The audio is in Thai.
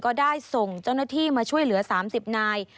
ก็ได้ส่งเจ้าหน้าที่มาช่วยเหลือ๓๐นาย